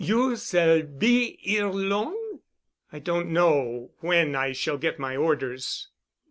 You s'all be 'ere long?" "I don't know—when I shall get my orders."